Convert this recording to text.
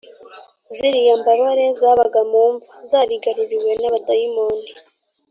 ziriya mbabare zabaga mu mva, zarigaruriwe n’abadayimoni